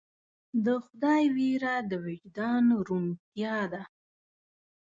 د خدای ویره د وجدان روڼتیا ده.